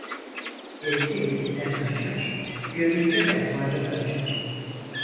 Elti eltiden kaçar, görümceler bayrak açar.